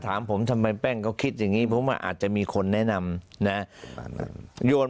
ถามผมทำไมแป้งเขาคิดอย่างนี้ผมว่าอาจจะมีคนแนะนำนะโยน